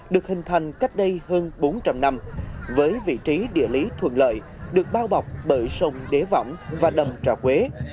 được hình thành cách đây hơn bốn trăm linh năm với vị trí địa lý thuận lợi được bao bọc bởi sông đế võng và đầm trà quế